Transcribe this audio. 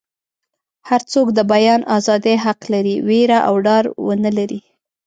هر څوک د بیان ازادي حق لري ویره او ډار ونه لري.